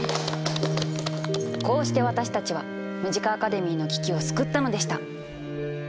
こうして私たちはムジカ・アカデミーの危機を救ったのでした。